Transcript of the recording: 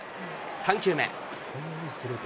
３球目。